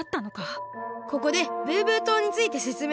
ここでブーブー島についてせつめいするね。